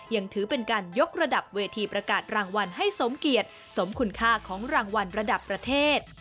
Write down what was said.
ยังถือเป็นการยกระดับเวทีประกาศรางวัลให้สมเกียจสมคุณค่าของรางวัลระดับประเทศ